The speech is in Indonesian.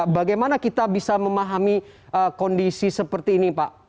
bagaimana kita bisa memahami kondisi seperti ini pak